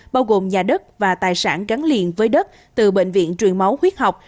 bao gồm nhà đất và tài sản gắn liền với đất từ bệnh viện truyền máu huyết học